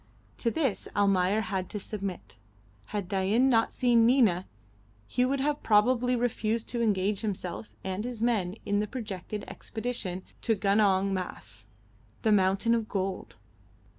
To this Almayer had to submit. Had Dain not seen Nina he would have probably refused to engage himself and his men in the projected expedition to Gunong Mas the mountain of gold.